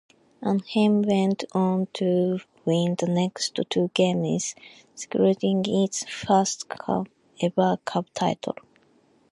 Anaheim went on to win the next two games, securing its first-ever Cup title.